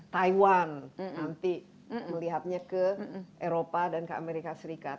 taiwan nanti melihatnya ke eropa dan ke amerika serikat